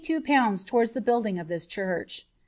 towards the building of this church.